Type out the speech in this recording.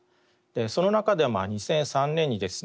その中で２００３年にですね